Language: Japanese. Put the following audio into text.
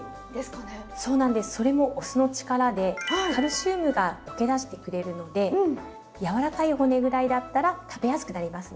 カルシウムが溶け出してくれるのでやわらかい骨ぐらいだったら食べやすくなりますね。